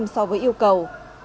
so với yêu cầu